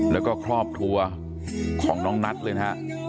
แล้วก็ครอบครัวของน้องนัทเลยนะฮะ